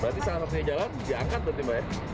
berarti selama punya jalan diangkat berarti mbak eci